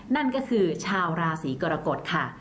นั่นก็คือชาวราศีกรกฎค่ะ